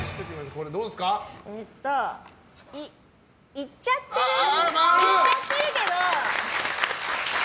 言っちゃっていいけど。